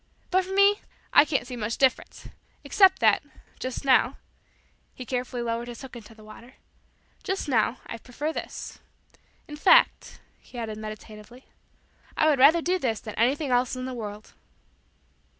But for me I can't see much difference except that, just now " he carefully lowered his hook into the water "just now, I prefer this. In fact," he added meditatively, "I would rather do this than anything else in the world."